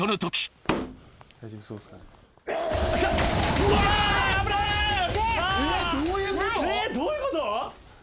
え、どういうこと？